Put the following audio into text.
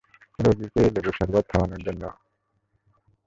রুগীকে লেবুর শরবত খাওয়ানোর জন্য।